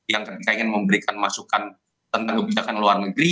yang ketika ingin memberikan masukan tentang kebijakan luar negeri